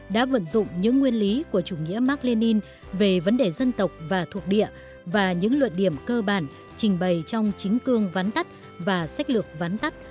đã vận dụng những nguyên lý của chủ nghĩa mark lenin về vấn đề dân tộc và thuộc địa và những luận điểm cơ bản trình bày trong chính cương ván tắt và sách lược ván tắt